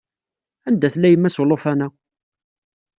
Anda tella yemma-s n ulufan-a?